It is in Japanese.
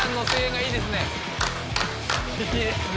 いいですね。